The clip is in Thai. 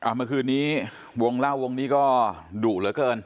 เมื่อคืนนี้วงเล่าวงนี้ก็ดุเหลือเกิน